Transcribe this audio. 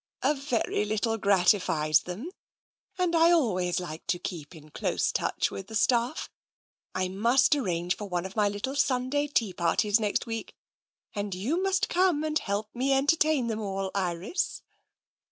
" A very little gratifies them, and I always like to keep in close touch with the staff. I must arrange for one of my little Sunday tea parties next week, and you must come and help me entertain them all, Iris."